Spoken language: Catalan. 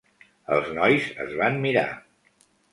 Els nois es van mirar.